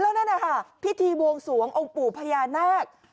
แล้วนั่นนะคะพิธีบวงสวงองค์ปู่พญานาค